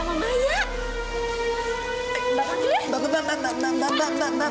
mbak mbak mbak